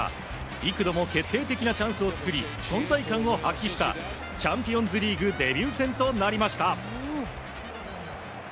幾度も決定的なチャンスを作り存在感を発揮したチャンピオンズリーグデビュー戦となりました。